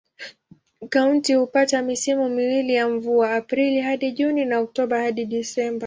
Kaunti hupata misimu miwili ya mvua: Aprili hadi Juni na Oktoba hadi Disemba.